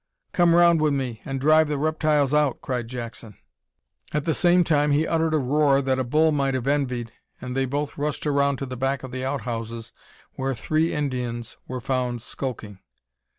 "Come round wi' me an' drive the reptiles out," cried Jackson. At the same time he uttered a roar that a bull might have envied, and they both rushed round to the back of the outhouses where three Indians were found skulking.